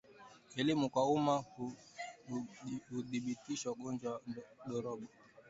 Elimu kwa umma hudhibiti ungojwa wa ndorobo